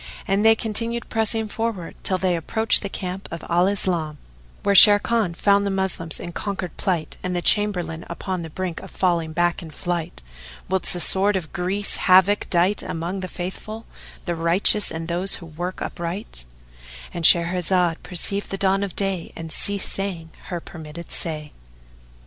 And they continued pressing forward till they approached the camp of Al Islam, where Sharrkan found the Moslem in conquered plight and the Chamberlain upon the brink of falling back in flight, whilst the sword of Greece havoc dight among the Faithful, the righteous and those who work upright,—And Shahrazad perceived the dawn of day and ceased saying her permitted say.